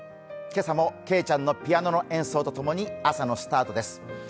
今朝もけいちゃんのピアノの演奏とともに朝のスタートです。